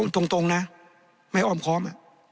ตรงนะไม่อ้อมค้อม